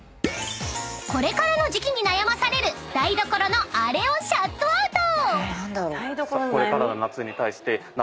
［これからの時季に悩まされる台所のあれをシャットアウト！］